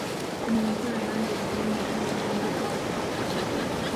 Yima emitala nange nnyime emitala emmundu zaake.